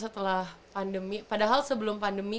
setelah pandemi padahal sebelum pandemi